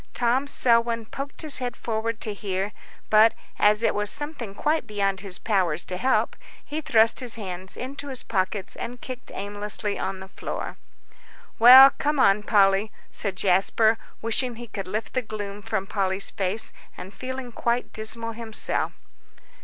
Tom Selwyn poked his head forward to hear, but, as it was something quite beyond his powers to help, he thrust his hands into his pockets, and kicked aimlessly on the floor. "Well, come on, Polly," said Jasper, wishing he could lift the gloom from Polly's face, and feeling quite dismal himself.